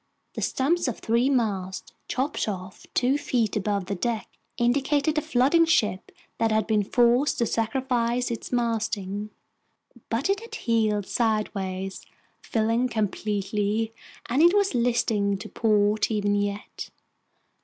The stumps of three masts, chopped off two feet above the deck, indicated a flooding ship that had been forced to sacrifice its masting. But it had heeled sideways, filling completely, and it was listing to port even yet.